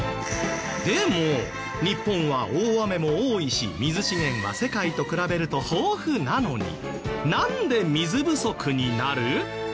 でも日本は大雨も多いし水資源は世界と比べると豊富なのになんで水不足になる？